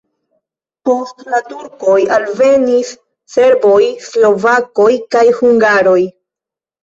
Post la turkoj alvenis serboj, slovakoj kaj hungaroj.